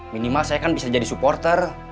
minimal saya kan bisa jadi supporter